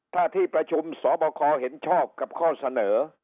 ถ้าที่ประชุมสบคเห็นชอบกับข้อเสนอ